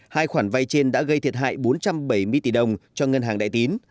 hai khoản vay trên đã gây thiệt hại bốn trăm bảy mươi tỷ đồng cho ngân hàng đại tín